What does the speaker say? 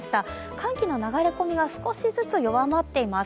寒気の流れ込みは少しずつ弱まっています。